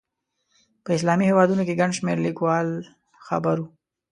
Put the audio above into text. په اسلامي هېوادونو کې ګڼ شمېر لیکوال خبر وو.